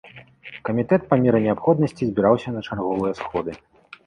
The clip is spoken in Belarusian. Камітэт па меры неабходнасці збіраўся на чарговыя сходы.